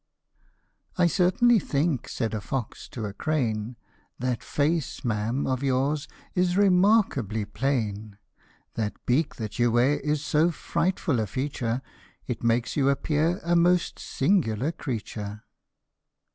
" I CERTAINLY think," said a fox to a crane, " That face, ma'am, of yours is remarkably plain ; That beak that you wear is so frightful a feature, It makes you appear a most singular creature."